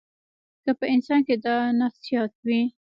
که په انسان کې دا نفسیات وي.